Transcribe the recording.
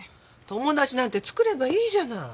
友達なんて作ればいいじゃない。